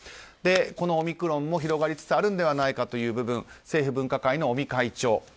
このオミクロンも広がりつつあるのではという部分政府分科会の尾身会長。